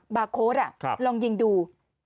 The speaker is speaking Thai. บาร์โค้ดลองยิงดู